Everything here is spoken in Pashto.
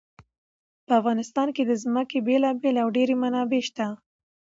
په افغانستان کې د ځمکه بېلابېلې او ډېرې منابع شته.